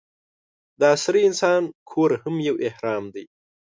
د عصري انسان کور هم یو اهرام دی.